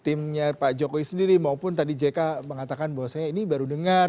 timnya pak jokowi sendiri maupun tadi jk mengatakan bahwasanya ini baru dengar